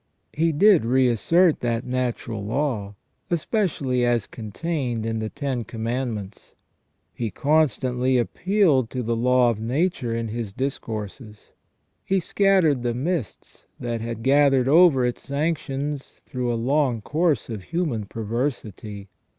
He did reassert that natural law, especially as contained in the Ten Commandments. He constantly appealed to the law of nature in His discourses. He scattered the mists that had gathered over its sanctions through a long course of human perversity.